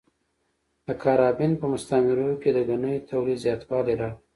د کارابین په مستعمرو کې د ګنیو تولید زیاتوالی راغی.